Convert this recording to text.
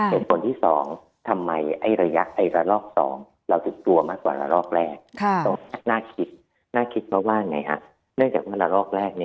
เหตุผลที่สองทำไมรายักษ์๒เราถึงกลัวเกินมากกว่ารอกแรก